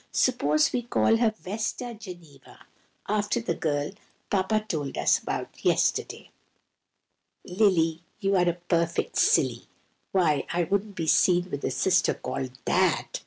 suppose we call her Vesta Geneva, after the girl Papa told us about yesterday." "Lily, you are a perfect silly! Why, I wouldn't be seen with a sister called that!